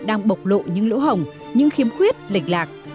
đang bộc lộ những lỗ hồng những khiếm khuyết lệch lạc